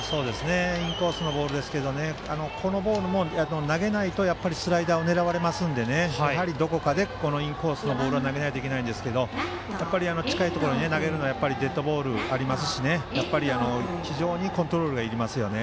インコースのボールですがこのボールも投げないとスライダーを狙われますのでどこかでインコースのボールは投げないといけないんですが近いところに投げるのはデッドボールもありますし非常にコントロールがいりますね。